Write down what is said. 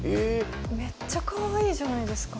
めっちゃかわいいじゃないですか。